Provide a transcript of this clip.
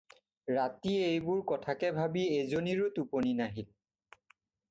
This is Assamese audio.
ৰাতি এইবোৰ কথাকে ভাবি এজনীৰো টোপনি নাহিল।